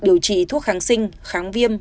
điều trị thuốc kháng sinh kháng viêm